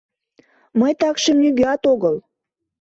Мый такшым нигӧат огыл.